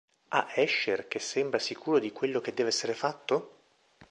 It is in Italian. A Esher, che sembra sicuro di quello che deve essere fatto?